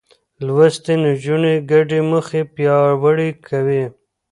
لوستې نجونې ګډې موخې پياوړې کوي.